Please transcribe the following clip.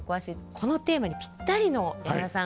このテーマにピッタリの山田さん